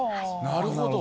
なるほど。